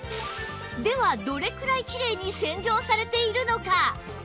ではどれくらいきれいに洗浄されているのか？